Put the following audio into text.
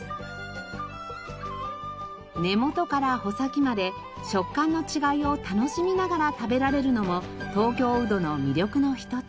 根元から穂先まで食感の違いを楽しみながら食べられるのも東京ウドの魅力の一つ。